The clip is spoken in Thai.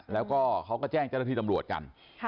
แล้วก็เขาก็แจ้งเจ้าหน้าที่ตำรวจกัน